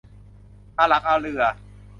อาหลักอาเหลื่อ